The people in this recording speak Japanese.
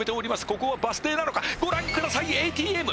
ここはバス停なのかご覧ください